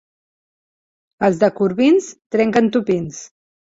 Els de Corbins trenquen tupins.